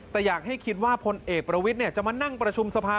แต่อยากให้คิดว่าพลเอกประวิทย์จะมานั่งประชุมสภา